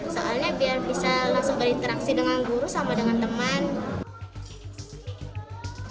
soalnya biar bisa langsung berinteraksi dengan guru sama dengan teman